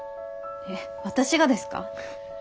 えっ私がですか？